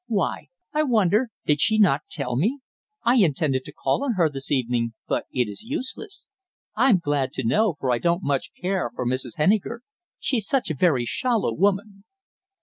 Why, I wonder, did she not tell me. I intended to call on her this evening, but it is useless. I'm glad to know, for I don't care much for Mrs. Henniker. She's such a very shallow woman."